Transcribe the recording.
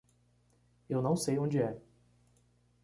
Eu não sei onde é.